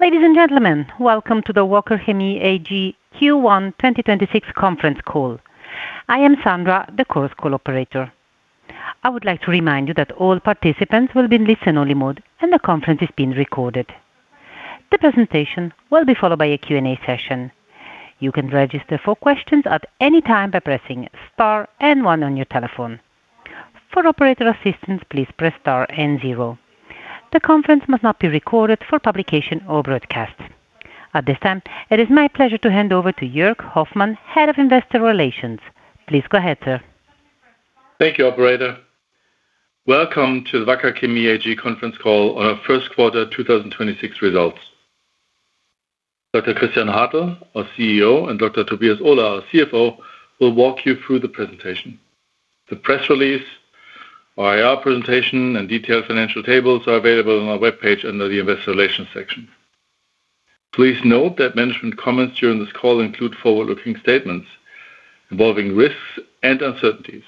Ladies and gentlemen, welcome to the Wacker Chemie AG Q1 2026 conference call. I am Sandra, the call's call operator. I would like to remind you that all participants will be in listen-only mode, and the conference is being recorded. The presentation will be followed by a Q&A session. You can register for questions at any time by pressing star and one on your telephone. For operator assistance, please press star and zero. The conference must not be recorded for publication or broadcast. At this time, it is my pleasure to hand over to Jörg Hoffmann, Head of Investor Relations. Please go ahead, sir. Thank you, operator. Welcome to the Wacker Chemie AG conference call on our Q1 2026 results. Dr. Christian Hartel, our CEO, and Dr. Tobias Ohler, our CFO, will walk you through the presentation. The press release, our IR presentation, and detailed financial tables are available on our webpage under the Investor Relations section. Please note that management comments during this call include forward-looking statements involving risks and uncertainties.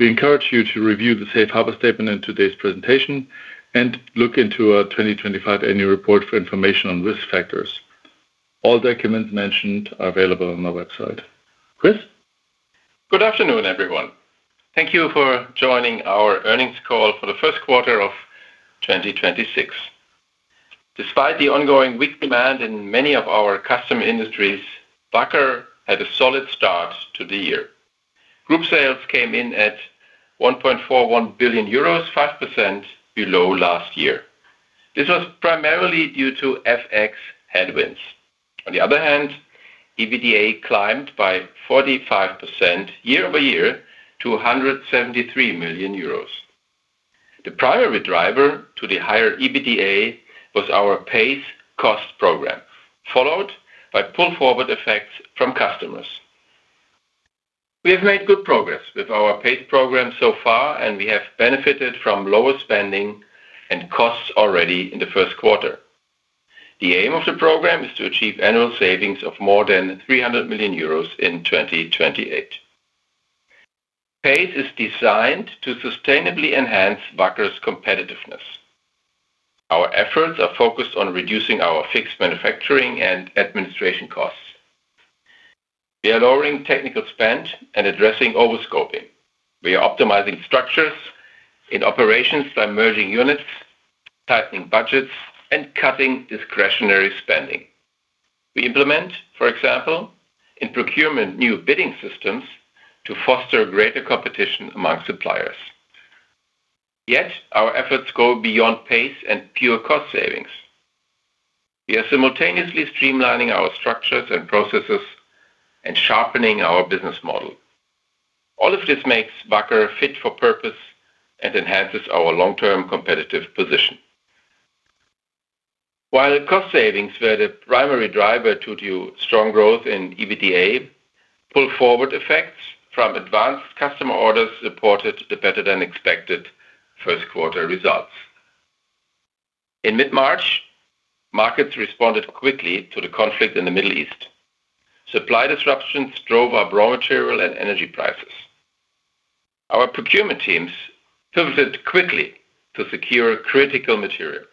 We encourage you to review the safe harbor statement in today's presentation and look into our 2025 annual report for information on risk factors. All documents mentioned are available on our website. Chris? Good afternoon, everyone. Thank you for joining our earnings call for the Q1 of 2026. Despite the ongoing weak demand in many of our custom industries, Wacker had a solid start to the year. group sales came in at 1.41 billion euros, 5% below last year. This was primarily due to FX headwinds. On the other hand, EBITDA climbed by 45% year-over-year to 173 million euros. The primary driver to the higher EBITDA was our PACE cost program, followed by pull-forward effects from customers. We have made good progress with our PACE program so far, and we have benefited from lower spending and costs already in the Q1. The aim of the program is to achieve annual savings of more than 300 million euros in 2028. PACE is designed to sustainably enhance Wacker's competitiveness. Our efforts are focused on reducing our fixed manufacturing and administration costs. We are lowering technical spend and addressing over-scoping. We are optimizing structures in operations by merging units, tightening budgets, and cutting discretionary spending. We implement, for example, in procurement new bidding systems to foster greater competition among suppliers. Yet our efforts go beyond PACE and pure cost savings. We are simultaneously streamlining our structures and processes and sharpening our business model. All of this makes Wacker fit for purpose and enhances our long-term competitive position. While cost savings were the primary driver to the strong growth in EBITDA, pull-forward effects from advanced customer orders supported the better-than-expected Q1 results. In mid-March, markets responded quickly to the conflict in the Middle East. Supply disruptions drove up raw material and energy prices. Our procurement teams pivoted quickly to secure critical materials.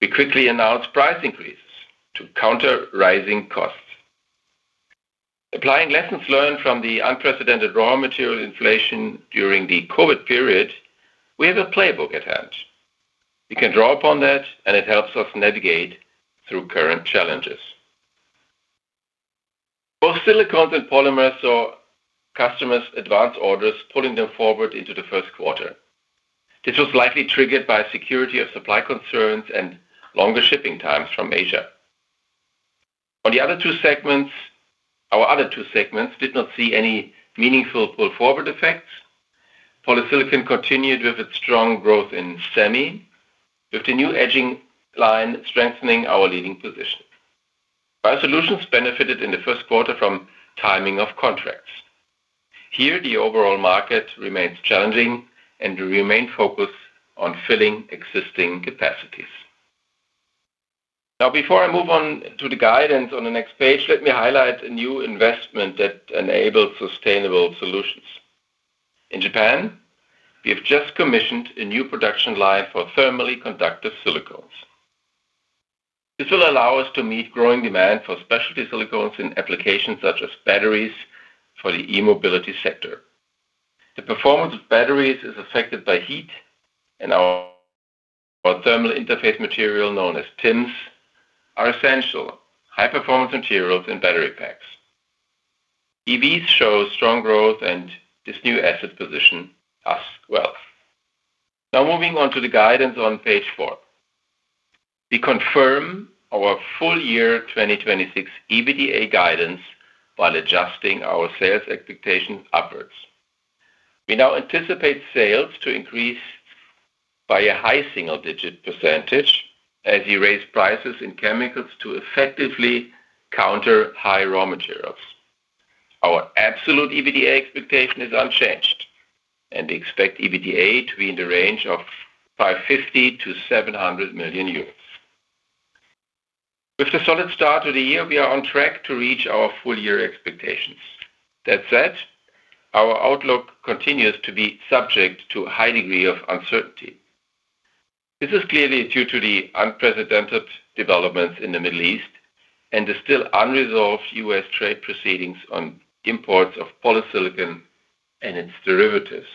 We quickly announced price increases to counter rising costs. Applying lessons learned from the unprecedented raw material inflation during the COVID period, we have a playbook at hand. We can draw upon that, and it helps us navigate through current challenges. Both WACKER SILICONES and WACKER POLYMERS saw customers advance orders, pulling them forward into the Q1. This was likely triggered by security of supply concerns and longer shipping times from Asia. Our other two segments did not see any meaningful pull-forward effects. WACKER POLYSILICON continued with its strong growth in semi, with the new etching line strengthening our leading position. WACKER BIOSOLUTIONS benefited in the Q1 from timing of contracts. Here, the overall market remains challenging, and we remain focused on filling existing capacities. Before I move on to the guidance on the next page, let me highlight a new investment that enables sustainable solutions. In Japan, we have just commissioned a new production line for thermally conductive silicones. This will allow us to meet growing demand for specialty silicones in applications such as batteries for the e-mobility sector. The performance of batteries is affected by heat, and our thermal interface material, known as TIMs, are essential high-performance materials in battery packs. EVs show strong growth, and this new asset positions us well. Moving on to the guidance on page four. We confirm our full year 2026 EBITDA guidance while adjusting our sales expectations upwards. We now anticipate sales to increase by a high single-digit percentage as we raise prices in chemicals to effectively counter high raw materials. Our absolute EBITDA expectation is unchanged, and we expect EBITDA to be in the range of 550 million-700 million euros. With a solid start to the year, we are on track to reach our full year expectations. That said, our outlook continues to be subject to a high degree of uncertainty. This is clearly due to the unprecedented developments in the Middle East and the still unresolved U.S. trade proceedings on imports of polysilicon and its derivatives.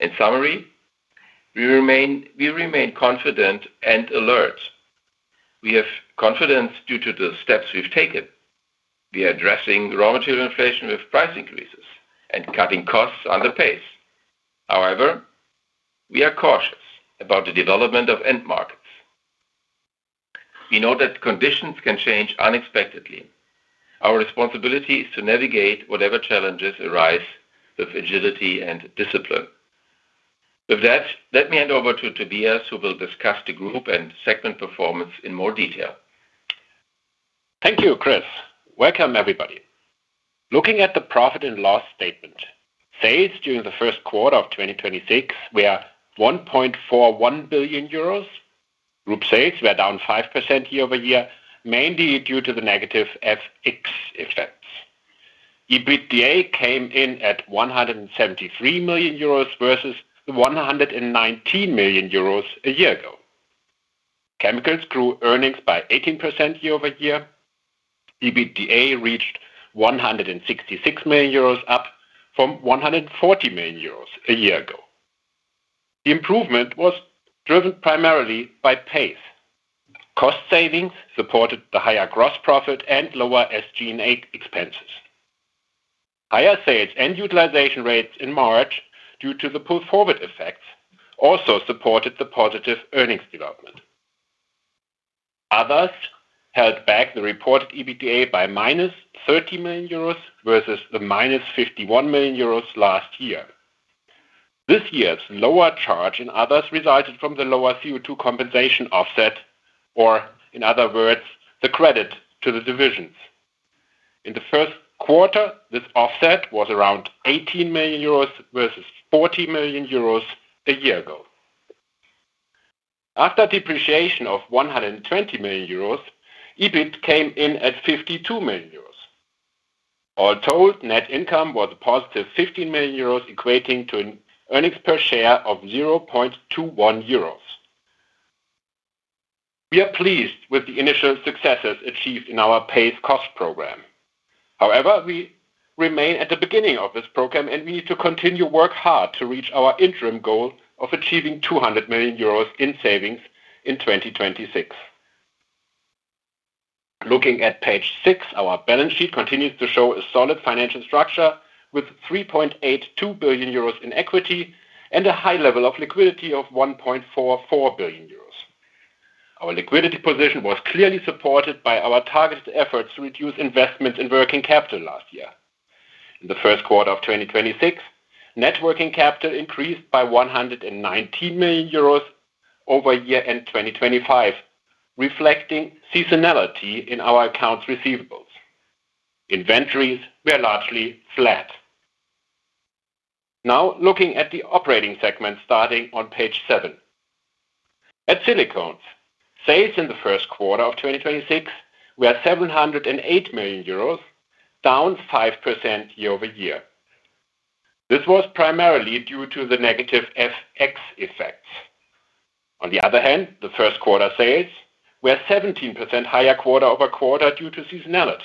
In summary, we remain confident and alert. We have confidence due to the steps we've taken. We are addressing raw material inflation with price increases and cutting costs under PACE. We are cautious about the development of end markets. We know that conditions can change unexpectedly. Our responsibility is to navigate whatever challenges arise with agility and discipline. With that, let me hand over to Tobias, who will discuss the group and segment performance in more detail. Thank you, Chris. Welcome everybody. Looking at the profit and loss statement, sales during the Q1 of 2026 were 1.41 billion euros. Group sales were down 5% year-over-year, mainly due to the negative FX effects. EBITDA came in at 173 million euros versus 119 million euros a year ago. Chemicals grew earnings by 18% year-over-year. EBITDA reached 166 million euros, up from 140 million euros a year ago. The improvement was driven primarily by PACE. Cost savings supported the higher gross profit and lower SG&A expenses. Higher sales and utilization rates in March due to the pull forward effects also supported the positive earnings development. Others held back the reported EBITDA by minus 30 million euros versus the minus 51 million euros last year. This year's lower charge in others resulted from the lower CO2 compensation offset, or in other words, the credit to the divisions. In the Q1, this offset was around 18 million euros versus 40 million euros a year ago. After depreciation of 120 million euros, EBIT came in at 52 million euros. All told, net income was a positive 15 million euros, equating to an earnings per share of 0.21 euros. We are pleased with the initial successes achieved in our PACE cost program. However, we remain at the beginning of this program and we need to continue work hard to reach our interim goal of achieving 200 million euros in savings in 2026. Looking at page 6, our balance sheet continues to show a solid financial structure with 3.82 billion euros in equity and a high level of liquidity of 1.44 billion euros. Our liquidity position was clearly supported by our targeted efforts to reduce investments in working capital last year. In the Q1 of 2026, net working capital increased by 119 million euros over year-end 2025, reflecting seasonality in our accounts receivables. Inventories were largely flat. Looking at the operating segment starting on page seven. At Silicones, sales in the Q1 of 2026 were EUR 708 million, down 5% year-over-year. This was primarily due to the negative FX effects. The Q1 sales were 17% higher quarter-over-quarter due to seasonality.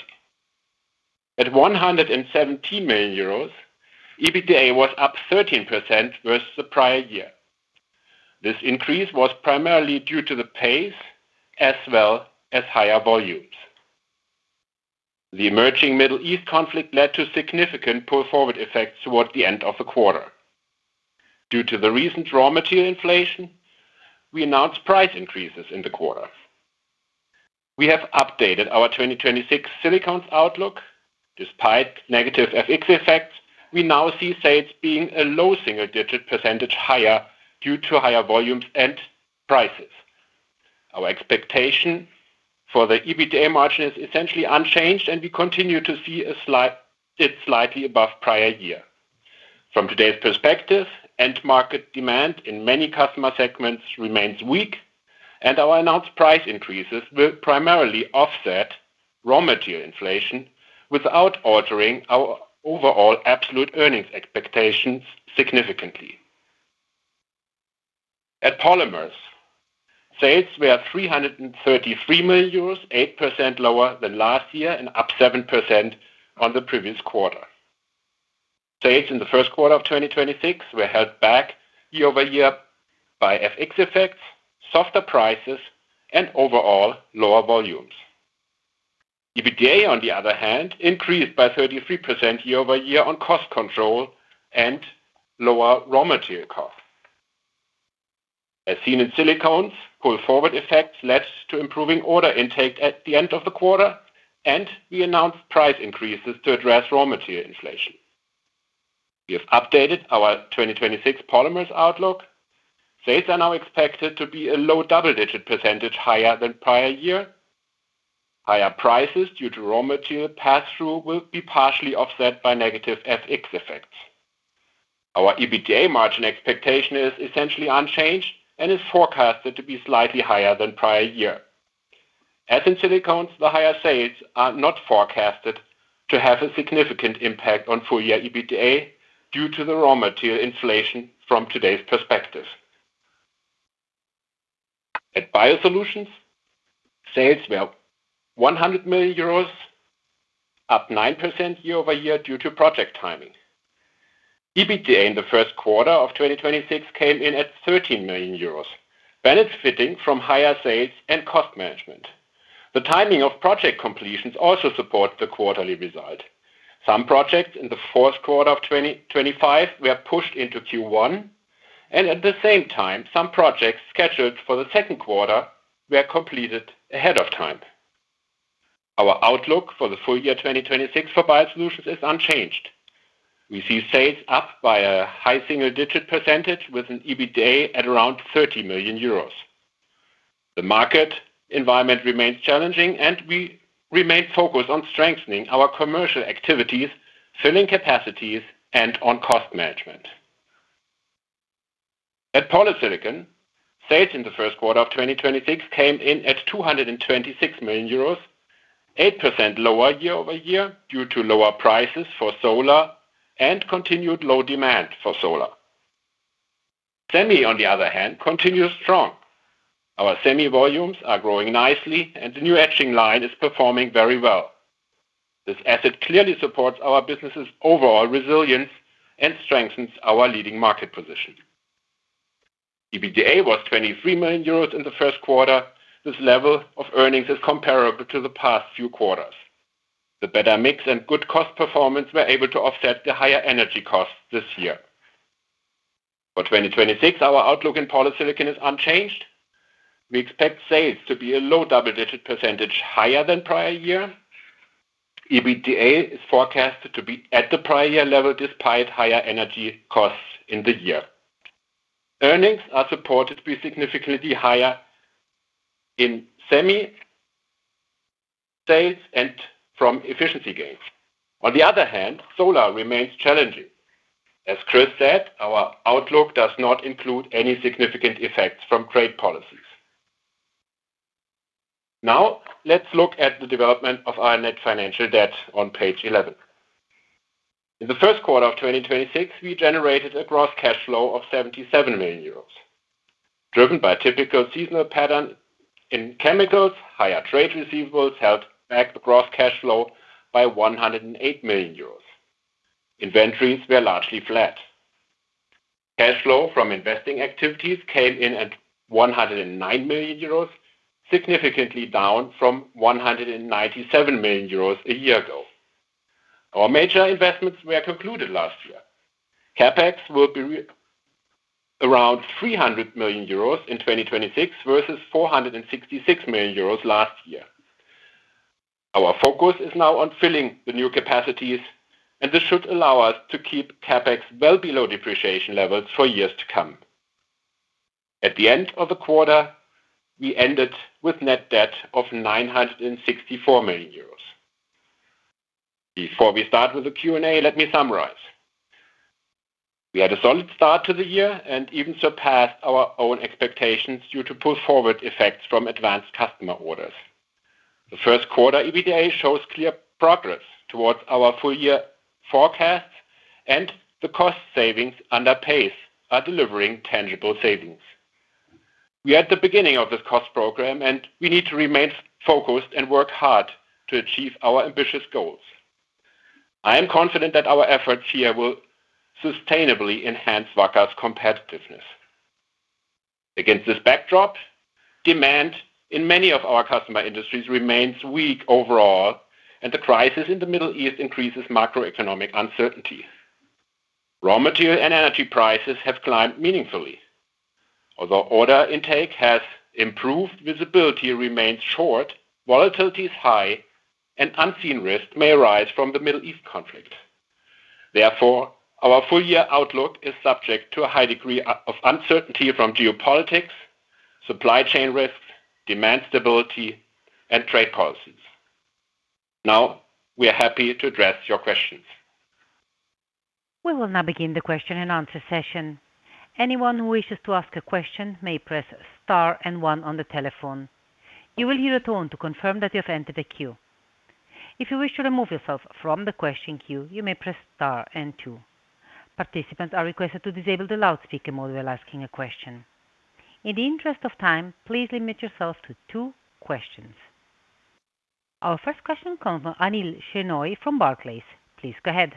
At 117 million euros, EBITDA was up 13% versus the prior year. This increase was primarily due to the PACE as well as higher volumes. The emerging Middle East conflict led to significant pull forward effects towards the end of the quarter. Due to the recent raw material inflation, we announced price increases in the quarter. We have updated our 2026 silicones outlook. Despite negative FX effects, we now see sales being a low single-digit % higher due to higher volumes and prices. Our expectation for the EBITDA margin is essentially unchanged, and we continue to see it slightly above prior year. From today's perspective, end market demand in many customer segments remains weak, and our announced price increases will primarily offset raw material inflation without altering our overall absolute earnings expectations significantly. At WACKER POLYMERS, sales were at 333 million euros, 8% lower than last year and up 7% on the previous quarter. Sales in the Q1 of 2026 were held back year-over-year by FX effects, softer prices, and overall lower volumes. EBITDA, on the other hand, increased by 33% year-over-year on cost control and lower raw material costs. As seen in WACKER SILICONES, pull forward effects led to improving order intake at the end of the quarter, and we announced price increases to address raw material inflation. We have updated our 2026 WACKER POLYMERS outlook. Sales are now expected to be a low double-digit percentage higher than prior year. Higher prices due to raw material pass-through will be partially offset by negative FX effects. Our EBITDA margin expectation is essentially unchanged and is forecasted to be slightly higher than prior year. As in silicones, the higher sales are not forecasted to have a significant impact on full year EBITDA due to the raw material inflation from today's perspective. At BIOSOLUTIONS, sales were 100 million euros, up 9% year-over-year due to project timing. EBITDA in the Q1 of 2026 came in at 13 million euros, benefiting from higher sales and cost management. The timing of project completions also support the quarterly result. Some projects in the Q4 of 2025 were pushed into Q1, and at the same time some projects scheduled for the Q2 were completed ahead of time. Our outlook for the full year 2026 for BIOSOLUTIONS is unchanged. We see sales up by a high single-digit percentage with an EBITDA at around 30 million euros. The market environment remains challenging, and we remain focused on strengthening our commercial activities, filling capacities, and on cost management. At Polysilicon, sales in the Q1 of 2026 came in at 226 million euros, 8% lower year-over-year due to lower prices for solar and continued low demand for solar. Semi, on the other hand, continues strong. Our semi volumes are growing nicely, and the new etching line is performing very well. This asset clearly supports our business's overall resilience and strengthens our leading market position. EBITDA was 23 million euros in the Q1. This level of earnings is comparable to the past few quarters. The better mix and good cost performance were able to offset the higher energy costs this year. For 2026, our outlook in polysilicon is unchanged. We expect sales to be a low double-digit % higher than prior year. EBITDA is forecasted to be at the prior year level despite higher energy costs in the year. Earnings are supported to be significantly higher in semi sales and from efficiency gains. On the other hand, solar remains challenging. As Christian Hartel said, our outlook does not include any significant effects from trade policies. Let's look at the development of our net financial debt on page 11. In the Q1 of 2026, we generated a gross cash flow of 77 million euros. Driven by a typical seasonal pattern in chemicals, higher trade receivables helped back the gross cash flow by 108 million euros. Inventories were largely flat. Cash flow from investing activities came in at 109 million euros, significantly down from 197 million euros a year ago. Our major investments were concluded last year. CapEx will be around 300 million euros in 2026 versus 466 million euros last year. Our focus is now on filling the new capacities, and this should allow us to keep CapEx well below depreciation levels for years to come. At the end of the quarter, we ended with net debt of 964 million euros. Before we start with the Q&A, let me summarize. We had a solid start to the year and even surpassed our own expectations due to pull-forward effects from advanced customer orders. The Q1 EBITDA shows clear progress towards our full year forecast and the cost savings under PACE are delivering tangible savings. We are at the beginning of this cost program, and we need to remain focused and work hard to achieve our ambitious goals. I am confident that our efforts here will sustainably enhance Wacker's competitiveness. Against this backdrop, demand in many of our customer industries remains weak overall, and the crisis in the Middle East increases macroeconomic uncertainty. Raw material and energy prices have climbed meaningfully. Although order intake has improved, visibility remains short, volatility is high, and unseen risk may arise from the Middle East conflict. Therefore, our full year outlook is subject to a high degree of uncertainty from geopolitics, supply chain risks, demand stability, and trade policies. We are happy to address your questions. We will now begin the question and answer session. Anyone who wishes to ask a question may press star and one on the telephone. You will hear a tone to confirm that you have entered a queue. If you wish to remove yourself from the question queue, you may press star and two. Participants are requested to disable the loudspeaker mode while asking a question. In the interest of time, please limit yourself to two questions. Our first question comes from Anil Shenoy from Barclays. Please go ahead.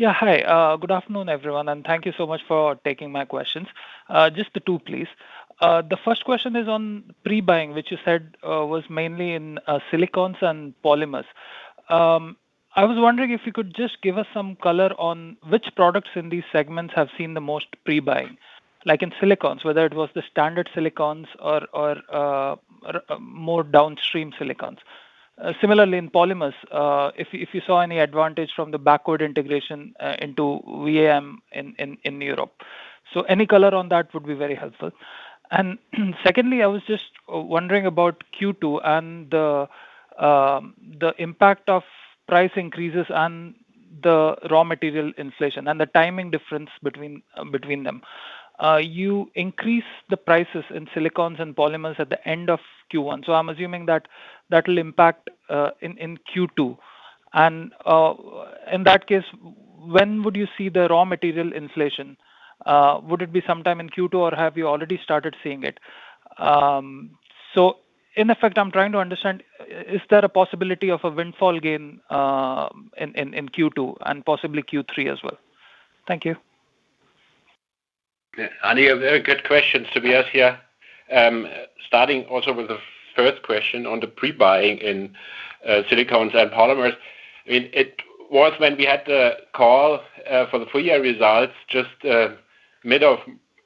Hi, good afternoon, everyone, thank you so much for taking my questions. Just the two, please. The first question is on pre-buying, which you said was mainly in silicones and polymers. I was wondering if you could just give us some color on which products in these segments have seen the most pre-buying. Like in silicones, whether it was the standard silicones or more downstream silicones. Similarly in polymers, if you saw any advantage from the backward integration into VAM in Europe. Any color on that would be very helpful. Secondly, I was just wondering about Q2 and the impact of price increases and the raw material inflation and the timing difference between them. You increase the prices in silicones and polymers at the end of Q1, so I'm assuming that that'll impact in Q2. In that case, when would you see the raw material inflation? Would it be sometime in Q2, or have you already started seeing it? In effect, I'm trying to understand, is there a possibility of a windfall gain in Q2 and possibly Q3 as well? Thank you. Anil, very good questions to be asked here. Starting also with the first question on the pre-buying in silicones and polymers. I mean, it was when we had the call for the full year results just mid of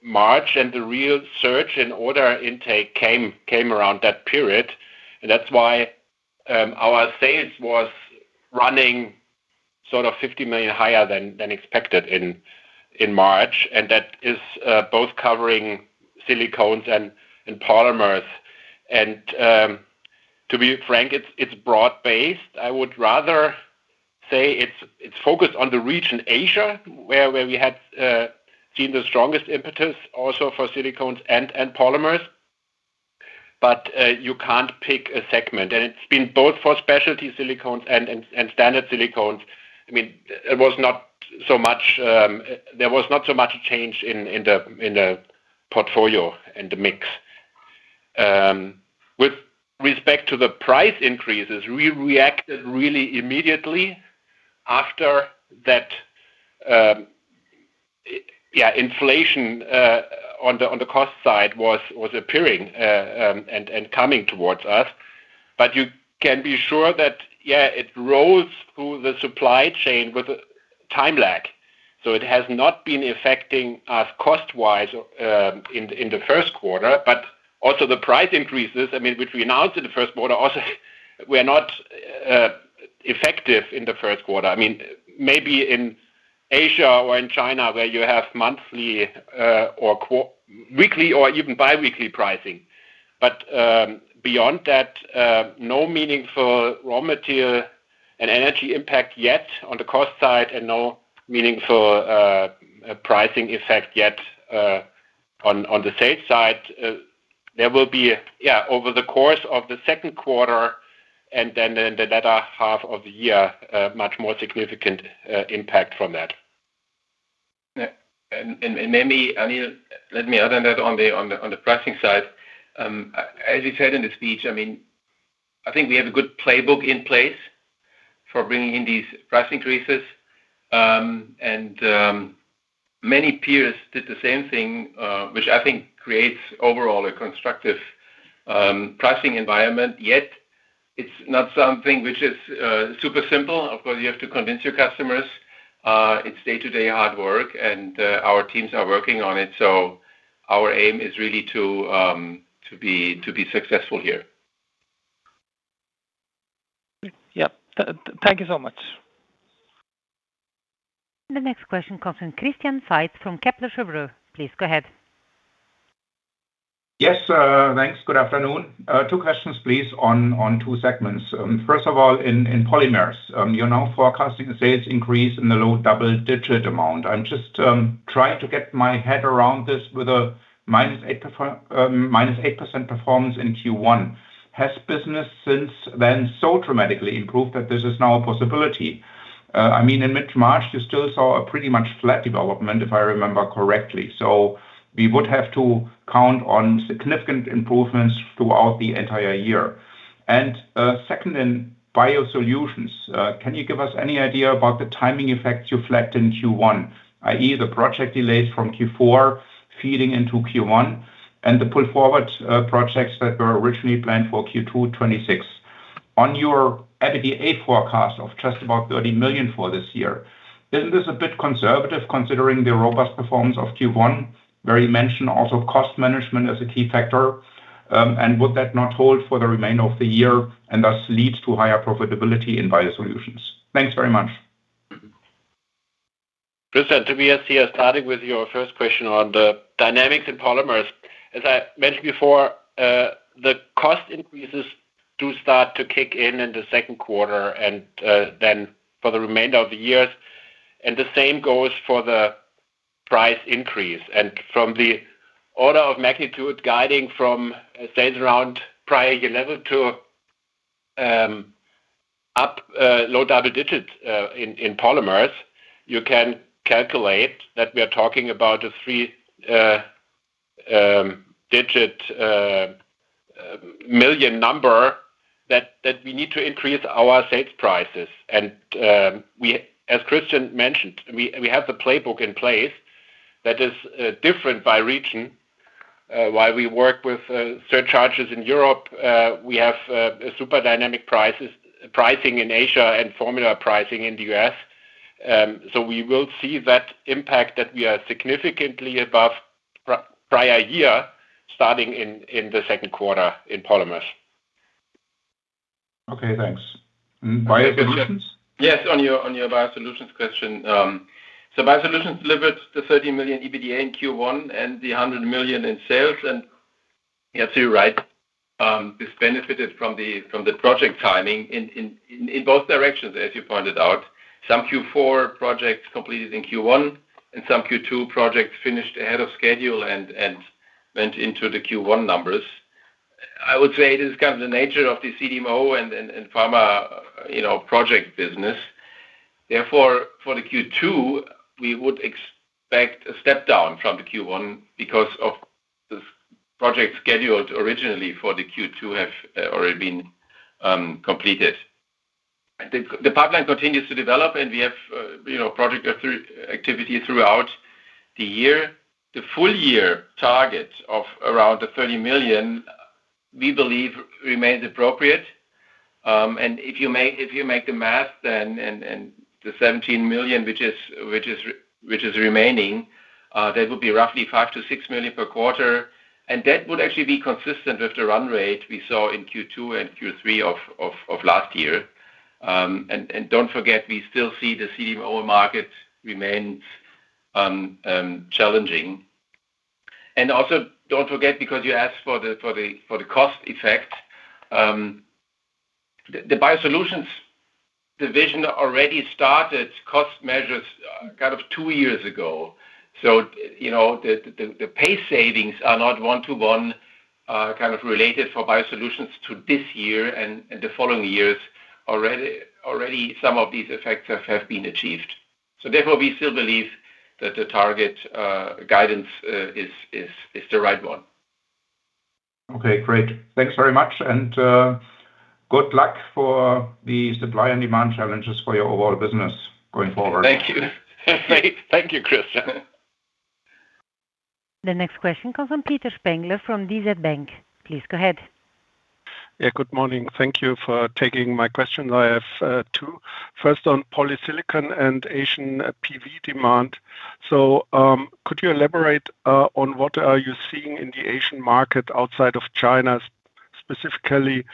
March, the real surge in order intake came around that period. That's why our sales was running sort of 50 million higher than expected in March, that is both covering silicones and polymers. To be frank, it's broad based. I would rather say it's focused on the region Asia, where we had seen the strongest impetus also for silicones and polymers. You can't pick a segment, it's been both for specialty silicones and standard silicones. I mean, it was not so much, there was not so much change in the portfolio and the mix. With respect to the price increases, we reacted really immediately after that, inflation on the cost side was appearing and coming towards us. You can be sure that it rolls through the supply chain with a time lag. It has not been affecting us cost-wise in the Q1. Also the price increases, I mean, which we announced in the Q1 also were not effective in the Q1. I mean, maybe in Asia or in China, where you have monthly or weekly or even biweekly pricing. Beyond that, no meaningful raw material and energy impact yet on the cost side and no meaningful pricing effect yet on the sales side. There will be over the course of the Q2 and then in the latter half of the year, a much more significant impact from that. Anil, let me add on that on the pricing side. As you said in the speech, I mean, I think we have a good playbook in place for bringing in these price increases. Many peers did the same thing, which I think creates overall a constructive pricing environment. Yet, it's not something which is super simple. Of course, you have to convince your customers. It's day-to-day hard work, and our teams are working on it. Our aim is really to be successful here. Yeah. Thank you so much. The next question comes from Christian Faitz from Kepler Cheuvreux. Please go ahead. Yes, thanks. Good afternoon. Two questions, please, on two segments. First of all, in polymers, you're now forecasting a sales increase in the low double-digit amount. I'm just trying to get my head around this with a minus 8% performance in Q1. Has business since then so dramatically improved that this is now a possibility? I mean, in mid-March, you still saw a pretty much flat development, if I remember correctly. We would have to count on significant improvements throughout the entire year. Second, in BIOSOLUTIONS, can you give us any idea about the timing effects you reflect in Q1? I.e., the project delays from Q4 feeding into Q1 and the pull-forward projects that were originally planned for Q2 2026. On your EBITDA forecast of just about 30 million for this year, isn't this a bit conservative considering the robust performance of Q1? Where you mentioned also cost management as a key factor, and would that not hold for the remainder of the year and thus leads to higher profitability in WACKER BIOSOLUTIONS? Thanks very much. Christian, Tobias here. Starting with your first question on the dynamics in polymers. As I mentioned before, the cost increases do start to kick in in the Q2 and then for the remainder of the year. The same goes for the price increase. From the order of magnitude guiding from sales around prior year level to low double digits in polymers, you can calculate that we are talking about a 3 digit million number that we need to increase our sales prices. As Christian mentioned, we have the playbook in place that is different by region. While we work with surcharges in Europe, we have super dynamic prices, pricing in Asia and formula pricing in the U.S. We will see that impact that we are significantly above prior year starting in the Q2 in WACKER POLYMERS. Okay, thanks. BIOSOLUTIONS? Yes, on your BIOSOLUTIONS question. BIOSOLUTIONS delivered the 30 million EBITDA in Q1 and the 100 million in sales. Yeah, you're right. This benefited from the project timing in both directions, as you pointed out. Some Q4 projects completed in Q1 and some Q2 projects finished ahead of schedule and went into the Q1 numbers. I would say it is kind of the nature of the CDMO and pharma, you know, project business. Therefore, for the Q2, we would expect a step down from the Q1 because of the project scheduled originally for the Q2 have already been completed. The pipeline continues to develop, and we have, you know, project activity throughout the year. The full year target of around the 30 million, we believe remains appropriate. If you make the math then, the 17 million, which is remaining, that would be roughly 5 million to 6 million per quarter. That would actually be consistent with the run rate we saw in Q2 and Q3 of last year. Don't forget, we still see the CDMO market remains challenging. Also, don't forget, because you asked for the cost effect. The BIOSOLUTIONS division already started cost measures kind of two years ago. You know, the pay savings are not one-to-one kind of related for BIOSOLUTIONS to this year and the following years. Already some of these effects have been achieved. Therefore, we still believe that the target guidance is the right one. Okay, great. Thanks very much, and good luck for the supply and demand challenges for your overall business going forward. Thank you. Thank you, Christian. The next question comes from Peter Spengler from DZ Bank. Please go ahead. Yeah, good morning. Thank you for taking my question. I have two. First on polysilicon and Asian PV demand. Could you elaborate on what are you seeing in the Asian market outside of China specifically?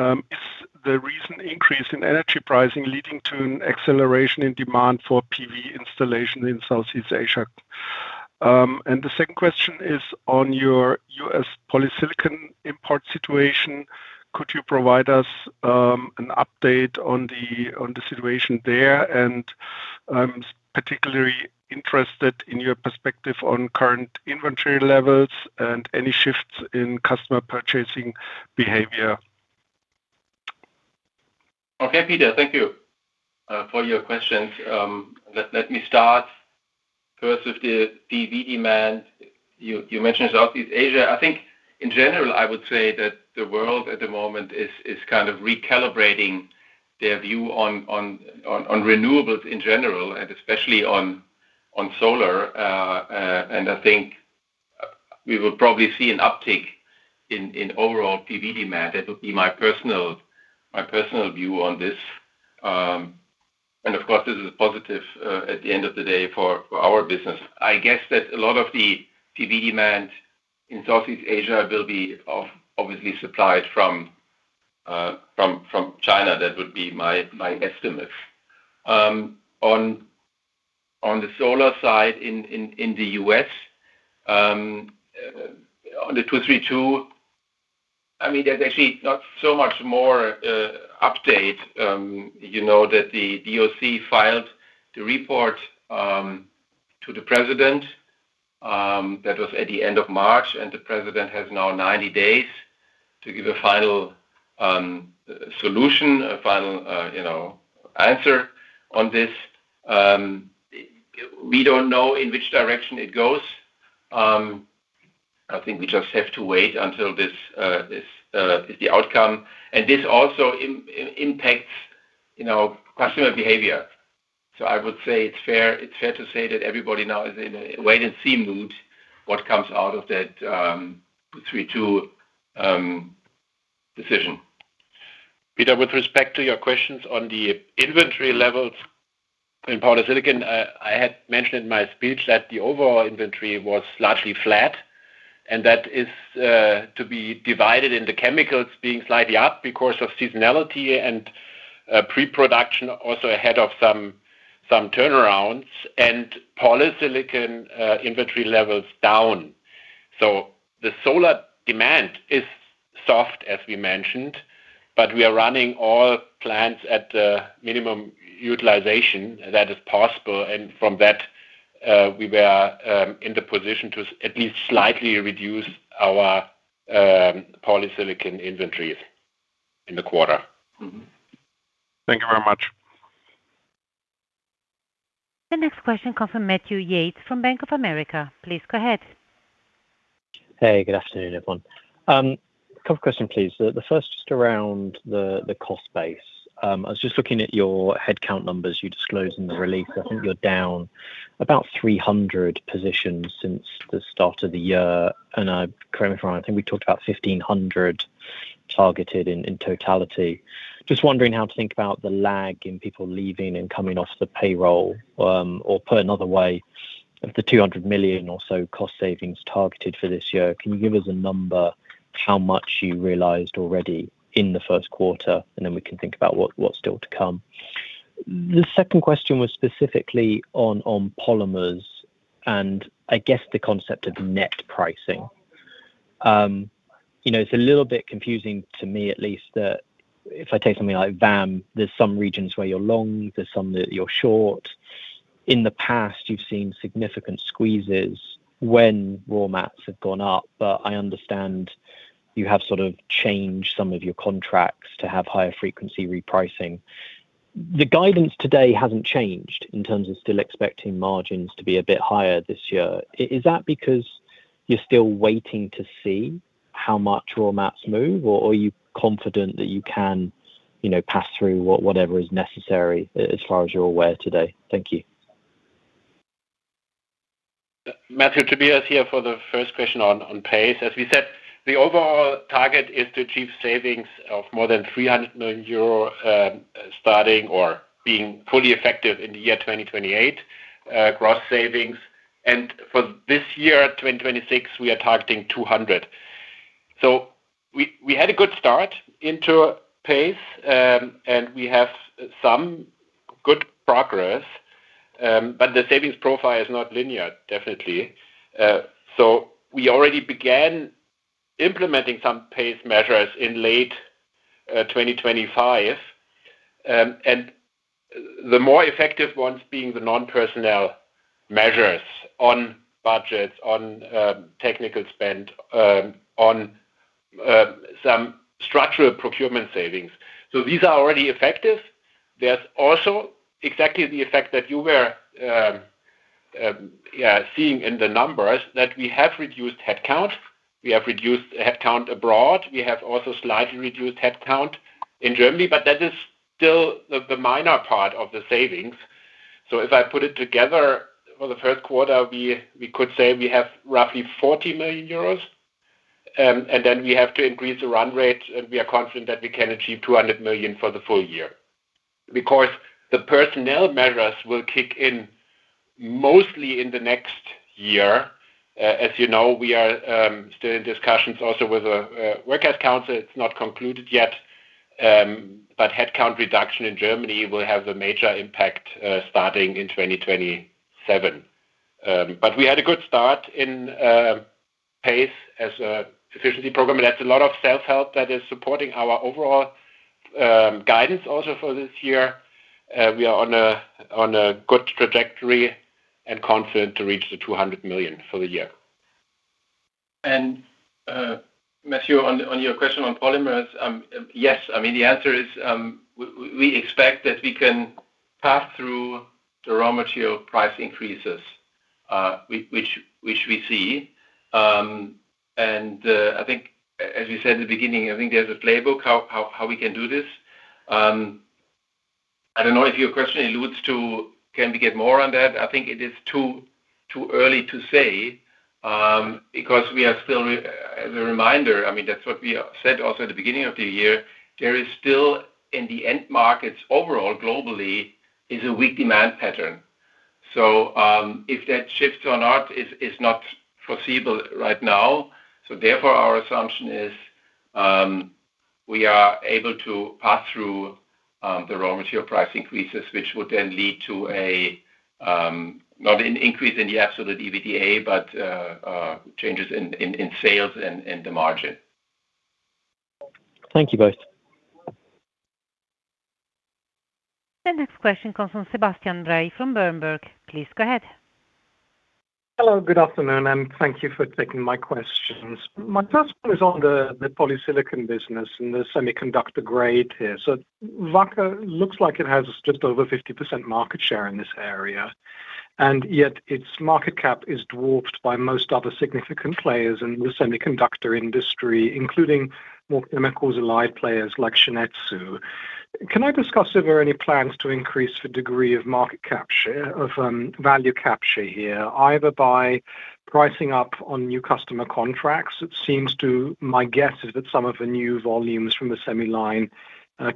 Is the recent increase in energy pricing leading to an acceleration in demand for PV installation in Southeast Asia? The second question is on your U.S. polysilicon import situation. Could you provide us an update on the situation there? I'm particularly interested in your perspective on current inventory levels and any shifts in customer purchasing behavior. Okay, Peter, thank you for your questions. Let me start first with the PV demand. You mentioned Southeast Asia. I think in general, I would say that the world at the moment is kind of recalibrating their view on renewables in general, and especially on solar. I think we will probably see an uptick in overall PV demand. That would be my personal view on this. Of course, this is positive at the end of the day for our business. I guess that a lot of the PV demand in Southeast Asia will be obviously supplied from China. That would be my estimate. On the solar side in the U.S., on the 232, I mean, there's actually not so much more update, you know, that the DOC filed the report to the president that was at the end of March, and the president has now 90 days to give a final solution, a final, you know, answer on this. We don't know in which direction it goes. I think we just have to wait until the outcome. This also impacts, you know, customer behavior. I would say it's fair to say that everybody now is in a wait-and-see mood what comes out of that 232 decision. Peter, with respect to your questions on the inventory levels in polysilicon, I had mentioned in my speech that the overall inventory was slightly flat, and that is to be divided into chemicals being slightly up because of seasonality and pre-production also ahead of some turnarounds and polysilicon inventory levels down. The solar demand is soft, as we mentioned, but we are running all plants at the minimum utilization that is possible. From that, we were in the position to at least slightly reduce our polysilicon inventories in the quarter. Mm-hmm. Thank you very much. The next question comes from Matthew Yates from Bank of America. Please go ahead. Hey, good afternoon, everyone. A couple of questions, please. The first just around the cost base. I was just looking at your headcount numbers you disclosed in the release. I think you're down about 300 positions since the start of the year. Correct me if I'm wrong, I think we talked about 1,500 targeted in totality. Just wondering how to think about the lag in people leaving and coming off the payroll. Or put another way, of the 200 million or so cost savings targeted for this year, can you give us a number how much you realized already in the Q1? Then we can think about what's still to come. The second question was specifically on polymers and I guess the concept of net pricing. You know, it's a little bit confusing to me at least that if I take something like VAM, there's some regions where you're long, there's some that you're short. I understand you have sort of changed some of your contracts to have higher frequency repricing. The guidance today hasn't changed in terms of still expecting margins to be a bit higher this year. Is that because you're still waiting to see how much raw mats move, or are you confident that you can, you know, pass through whatever is necessary as far as you're aware today? Thank you. Matthew Yates, Tobias here for the first question on PACE. As we said, the overall target is to achieve savings of more than 300 million euro, starting or being fully effective in the year 2028, gross savings. For this year, 2026, we are targeting 200 million. We had a good start into PACE, and we have some good progress. The savings profile is not linear, definitely. We already began implementing some PACE measures in late 2025. The more effective ones being the non-personnel measures on budgets, on technical spend, on some structural procurement savings. These are already effective. There's also exactly the effect that you were seeing in the numbers that we have reduced headcount. We have reduced headcount abroad. We have also slightly reduced headcount in Germany, but that is still the minor part of the savings. If I put it together for the Q1, we could say we have roughly 40 million euros. We have to increase the run rate, and we are confident that we can achieve 200 million for the full year. The personnel measures will kick in mostly in the next year. As you know, we are still in discussions also with the workers' council. It's not concluded yet. Headcount reduction in Germany will have a major impact starting in 2027. We had a good start in PACE as a efficiency program, and that's a lot of self-help that is supporting our overall guidance also for this year. We are on a good trajectory and confident to reach the 200 million for the year. Matthew, on your question on polymers, yes. I mean, the answer is, we expect that we can pass through the raw material price increases which we see. I think, as you said in the beginning, I think there's a playbook how we can do this. I don't know if your question alludes to can we get more on that. I think it is too early to say. As a reminder, I mean, that's what we said also at the beginning of the year. There is still in the end markets overall globally is a weak demand pattern. If that shifts or not is not foreseeable right now. Our assumption is, we are able to pass through the raw material price increases, which would then lead to a not an increase in the absolute EBITDA, but changes in sales and the margin. Thank you both. The next question comes from Sebastian Bray from Berenberg. Please go ahead. Hello, good afternoon, and thank you for taking my questions. My first one is on the polysilicon business and the semiconductor grade here. Wacker looks like it has just over 50% market share in this area, and yet its market cap is dwarfed by most other significant players in the semiconductor industry, including more vertically integrated players like Shin-Etsu. Can I discuss if there are any plans to increase the degree of market capture of value capture here, either by pricing up on new customer contracts? My guess is that some of the new volumes from the semi line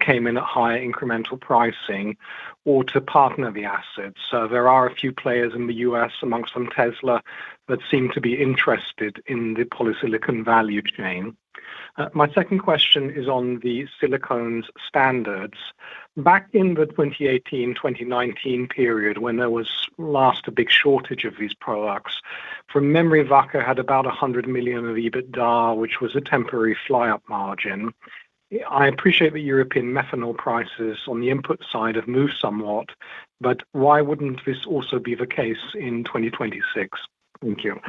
came in at higher incremental pricing or to partner the assets. There are a few players in the U.S. amongst them, Tesla, that seem to be interested in the polysilicon value chain. My second question is on the standard silicones. Back in the 2018, 2019 period, when there was last a big shortage of these products, from memory, Wacker had about 100 million of EBITDA, which was a temporary fly-up margin. I appreciate the European methanol prices on the input side have moved somewhat, but why wouldn't this also be the case in 2026? Thank you.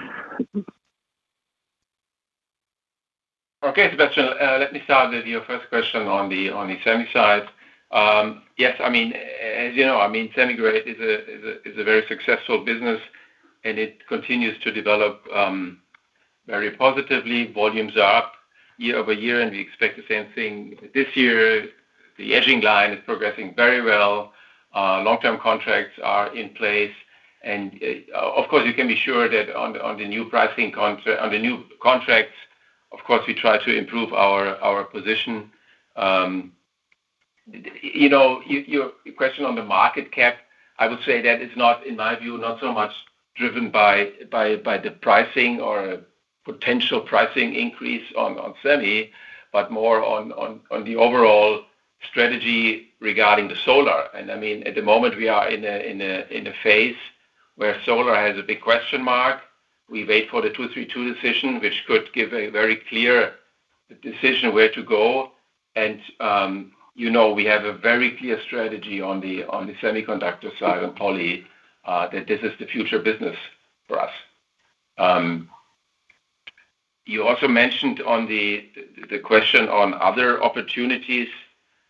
Okay, Sebastian. Let me start with your first question on the semi-side. Yes. As you know, semi-grade is a very successful business, and it continues to develop very positively. Volumes are up year-over-year, and we expect the same thing this year. The etching line is progressing very well. Long-term contracts are in place. Of course, you can be sure that on the new contracts, of course, we try to improve our position. You know, your question on the market cap, I would say that it is not, in my view, not so much driven by the pricing or potential pricing increase on semi, but more on the overall strategy regarding the solar. At the moment, we are in a phase where solar has a big question mark. We wait for the Section 232 decision, which could give a very clear decision where to go. You know, we have a very clear strategy on the semiconductor side on polysilicon, that this is the future business for us. You also mentioned on the question on other opportunities.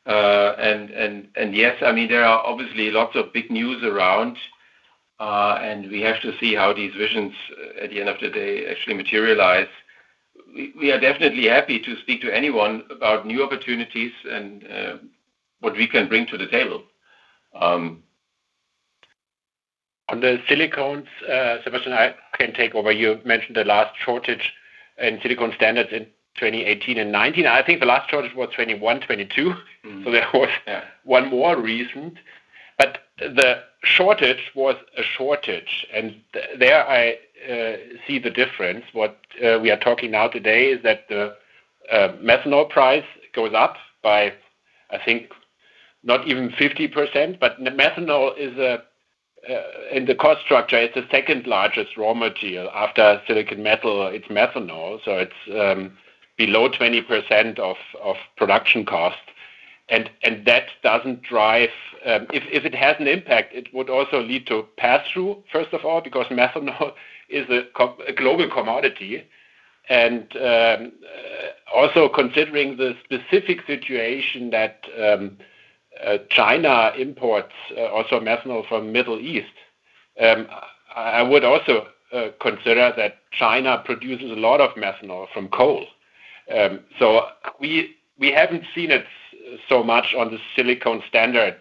Yes, there are obviously lots of big news around, and we have to see how these visions at the end of the day actually materialize. We are definitely happy to speak to anyone about new opportunities and what we can bring to the table. On the silicones, Sebastian, I can take over. You mentioned the last shortage in standard silicones in 2018 and 2019. I think the last shortage was 2021, 2022. Mm-hmm. There was one more reason. The shortage was a shortage. There I see the difference. What we are talking now today is that the methanol price goes up by, I think, not even 50%, but methanol is in the cost structure, it's the second-largest raw material. After silicon metal, it's methanol, so it's below 20% of production cost. That doesn't drive. If it has an impact, it would also lead to pass-through, first of all, because methanol is a global commodity. Also considering the specific situation that China imports also methanol from Middle East. I would also consider that China produces a lot of methanol from coal. We haven't seen it so much on the standard silicones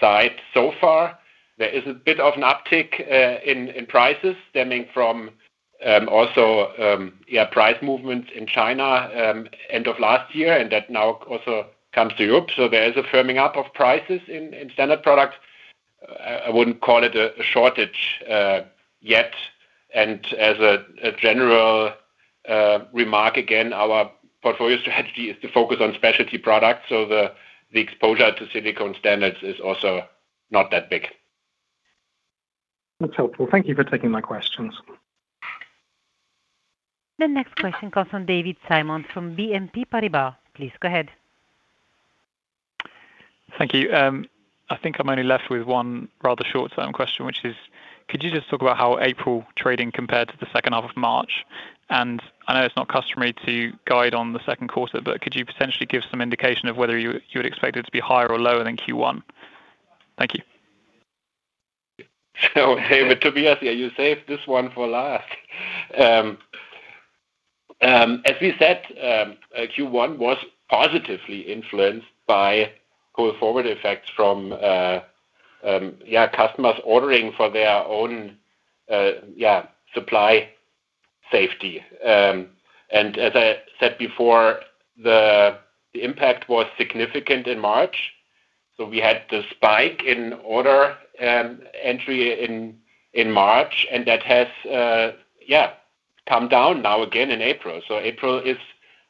side so far. There is a bit of an uptick in prices stemming from also, yeah, price movements in China end of last year, and that now also comes to Europe. There is a firming up of prices in standard products. I wouldn't call it a shortage yet. As a general remark, again, our portfolio strategy is to focus on specialty products. The exposure to silicone standards is also not that big. That's helpful. Thank you for taking my questions. The next question comes from David Simon from BNP Paribas. Please go ahead. Thank you. I think I'm only left with one rather short-term question, which is, could you just talk about how April trading compared to the second half of March? I know it's not customary to guide on the Q2, but could you potentially give some indication of whether you would expect it to be higher or lower than Q1? Thank you. David, Tobias, you saved this one for last. As we said, Q1 was positively influenced by pull-forward effects from customers ordering for their own supply safety. As I said before, the impact was significant in March. We had the spike in order entry in March, and that has come down now again in April. April is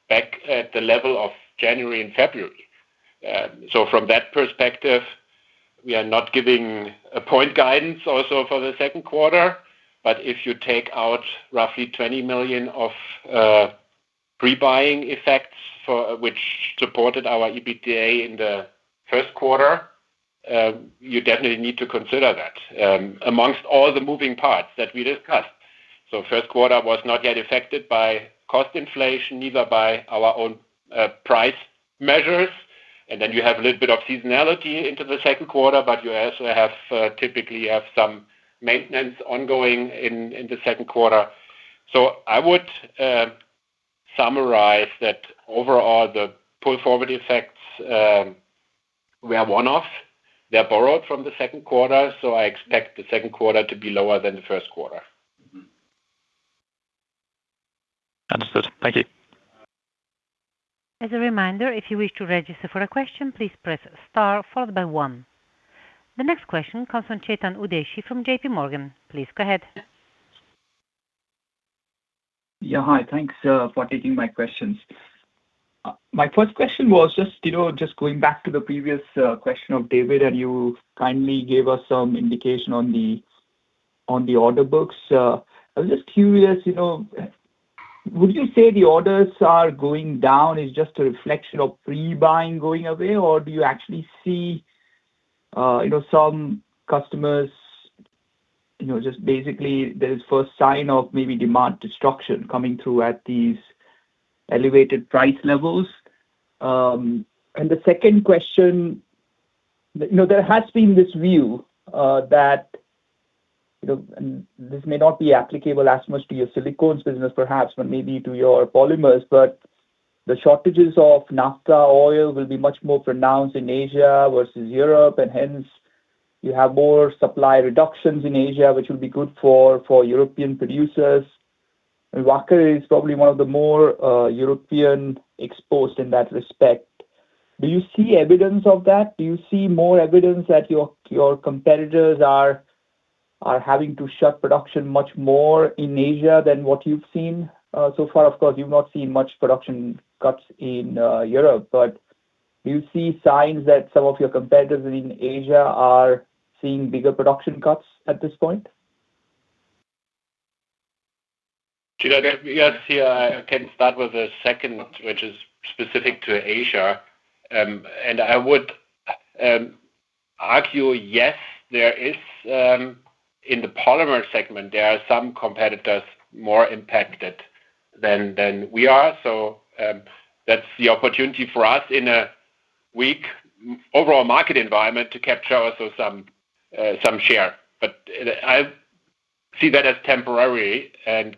back at the level of January and February. From that perspective, we are not giving a point guidance also for the Q2. If you take out roughly 20 million of pre-buying effects for which supported our EBITDA in the Q1, you definitely need to consider that amongst all the moving parts that we discussed. Q1 was not yet affected by cost inflation, neither by our own price measures. You have a little bit of seasonality into the Q2, but you also have typically have some maintenance ongoing in the Q2. I would summarize that overall the pull-forward effects were a one-off. They're borrowed from the Q2, so I expect the Q2 to be lower than the Q1. Understood. Thank you. As a reminder, if you wish to register for a question, please press star followed by one. The next question comes from Chetan Udeshi from J.P. Morgan. Please go ahead. Hi. Thanks for taking my questions. My first question was just, you know, just going back to the previous question of David, and you kindly gave us some indication on the order books. I was just curious, you know, would you say the orders are going down is just a reflection of pre-buying going away? Do you actually see, you know, some customers, you know, just basically there is first sign of maybe demand destruction coming through at these elevated price levels? The second question, you know, there has been this view that, you know, and this may not be applicable as much to your silicones business perhaps, but maybe to your polymers, but the shortages of naphtha oil will be much more pronounced in Asia versus Europe, and hence you have more supply reductions in Asia, which will be good for European producers. Wacker is probably one of the more European exposed in that respect. Do you see evidence of that? Do you see more evidence that your competitors are having to shut production much more in Asia than what you've seen so far? Of course, you've not seen much production cuts in Europe. Do you see signs that some of your competitors in Asia are seeing bigger production cuts at this point? You know, yes, yeah, I can start with the second, which is specific to Asia. I would argue yes, there is in the polymer segment, there are some competitors more impacted than we are. That's the opportunity for us in a weak overall market environment to capture also some share. I see that as temporary and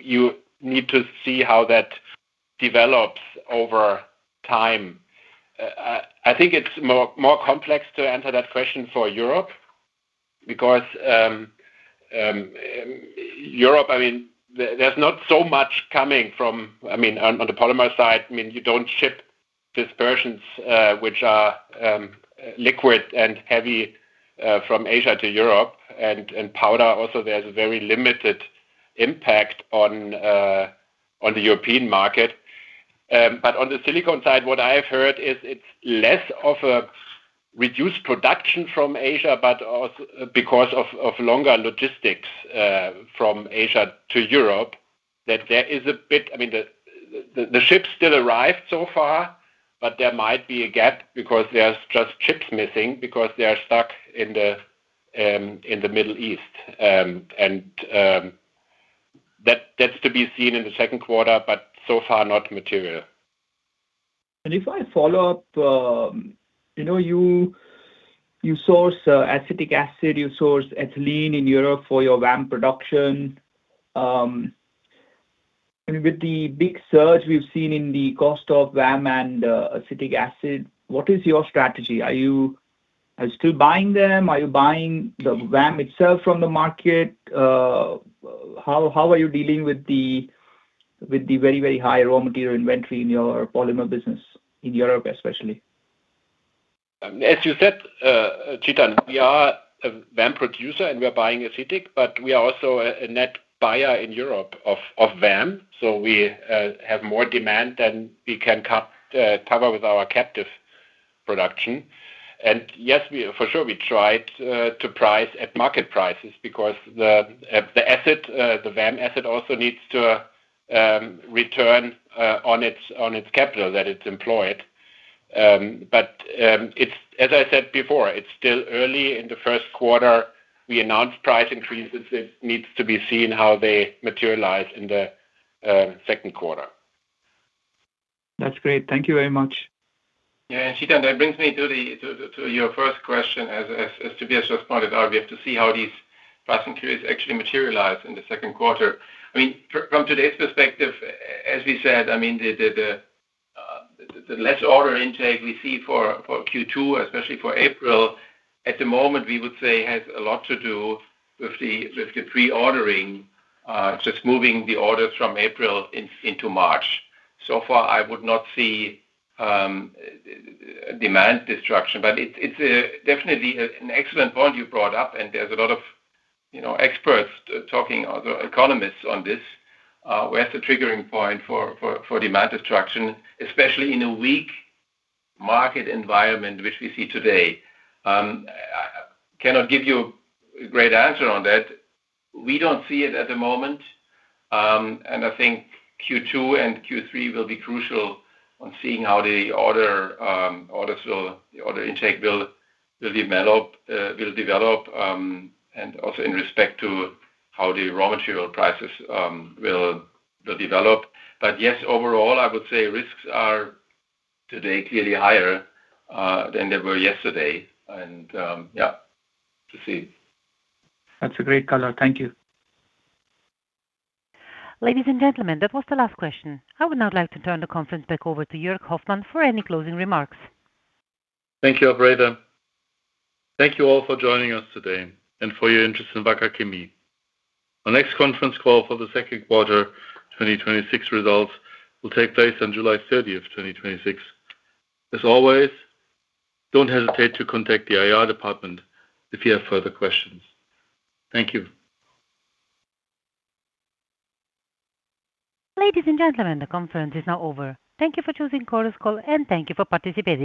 you need to see how that develops over time. I think it's more complex to answer that question for Europe because Europe, I mean, there's not so much coming from. I mean, on the polymer side, I mean, you don't ship dispersions which are liquid and heavy from Asia to Europe. Powder also there's a very limited impact on the European market. On the silicone side, what I have heard is it's less of a reduced production from Asia, but because of longer logistics from Asia to Europe, that there is a bit. I mean, the ships still arrive so far, but there might be a gap because there's just ships missing because they are stuck in the Middle East. That's to be seen in the Q2, but so far not material. If I follow up, you know, you source acetic acid, you source ethylene in Europe for your VAM production. I mean, with the big surge we've seen in the cost of VAM and acetic acid, what is your strategy? Are you still buying them? Are you buying the VAM itself from the market? How are you dealing with the very, very high raw material inventory in your polymer business in Europe especially? As you said, Chetan, we are a VAM producer, and we are buying acetic, but we are also a net buyer in Europe of VAM, so we have more demand than we can cover with our captive production. Yes, for sure we tried to price at market prices because the asset, the VAM asset also needs to return on its capital that it's employed. As I said before, it's still early in the Q1. We announced price increases. It needs to be seen how they materialize in the Q2. That's great. Thank you very much. Yeah. Chetan, that brings me to your first question as Tobias just pointed out. We have to see how these price increases actually materialize in the Q2. I mean, from today's perspective, as we said, I mean, the less order intake we see for Q2, especially for April, at the moment, we would say has a lot to do with the pre-ordering, just moving the orders from April into March. So far, I would not see demand destruction, but it's definitely an excellent point you brought up, and there's a lot of, you know, experts talking, or economists on this. Where's the triggering point for demand destruction, especially in a weak market environment which we see today? I cannot give you a great answer on that. We don't see it at the moment. I think Q2 and Q3 will be crucial on seeing how the order intake will develop and also in respect to how the raw material prices will develop. Yes, overall, I would say risks are today clearly higher than they were yesterday and, yeah, we'll see. That's a great color. Thank you. Ladies and gentlemen, that was the last question. I would now like to turn the conference back over to Jörg Hoffmann for any closing remarks. Thank you, operator. Thank you all for joining us today and for your interest in Wacker Chemie. Our next conference call for the Q2 2026 results will take place on July 30th, 2026. As always, don't hesitate to contact the IR department if you have further questions. Thank you. Ladies and gentlemen, the conference is now over. Thank you for choosing Chorus Call, and thank you for participating.